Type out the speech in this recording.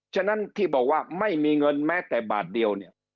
ฉะนั้นที่บอกว่าไม่มีเงินแม้แต่บาทเดียวเนี่ย